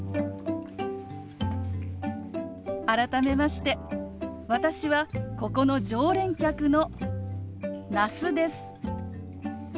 改めまして私はここの常連客の那須です。